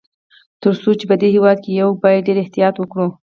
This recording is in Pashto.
تر څو چي په دې هیواد کي یو، باید ډېر احتیاط وکړو.